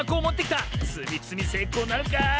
つみつみせいこうなるか？